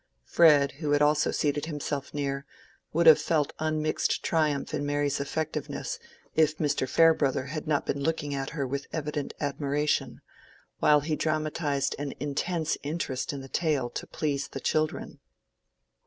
Fred, who had also seated himself near, would have felt unmixed triumph in Mary's effectiveness if Mr. Farebrother had not been looking at her with evident admiration, while he dramatized an intense interest in the tale to please the children.